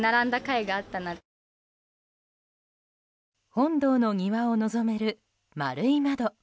本堂の庭を望める丸い窓。